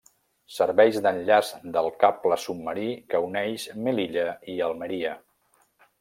Serveix d'enllaç del cable submarí que uneix Melilla i Almeria.